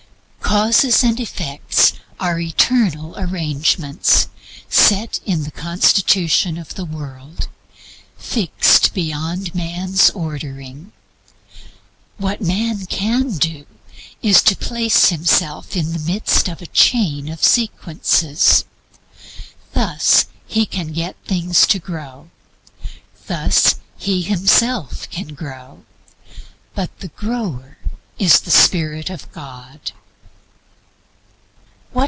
Causes and effects are eternal arrangements, set in the constitution of the world; fixed beyond man's ordering. What man can do is to place himself in the midst of a chain of sequences. Thus he can get things to grow: thus he himself can grow. But the power is the Spirit of God.